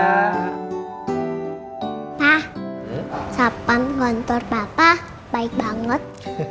pak sapan kontor papa baik banget